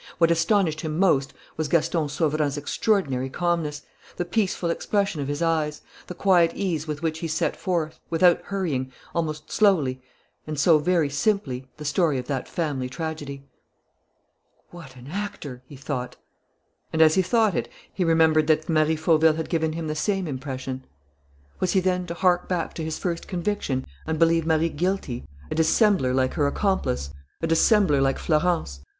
What astonished him most was Gaston Sauverand's extraordinary calmness, the peaceful expression of his eyes, the quiet ease with which he set forth, without hurrying, almost slowly and so very simply, the story of that family tragedy. "What an actor!" he thought. And as he thought it, he remembered that Marie Fauville had given him the same impression. Was he then to hark back to his first conviction and believe Marie guilty, a dissembler like her accomplice, a dissembler like Florence?